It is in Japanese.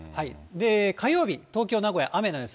火曜日、東京、名古屋、雨の予想。